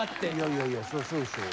いやいやそらそうでしょう。